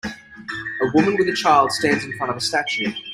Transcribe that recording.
A woman with a child stands in front of a statue.